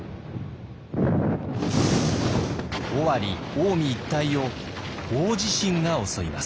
尾張・近江一帯を大地震が襲います。